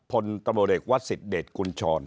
พลตำรวจเอกวัดสิทธเดชกุญชร